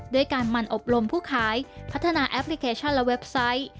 ด้วยการมันอบรมผู้ขายพัฒนาแอปพลิเคชันและเว็บไซต์